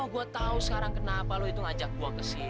oh gua tahu sekarang kenapa lu itu ngajak gua kesini